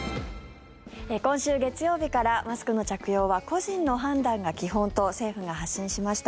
今週月曜日からマスクの着用は個人の判断が基本と政府が発信しました。